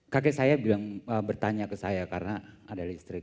kakek saya bertanya ke saya karena ada listrik